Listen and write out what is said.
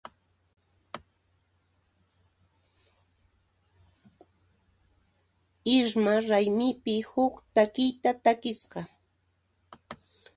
Irma raymipi huk takiyta takisqa.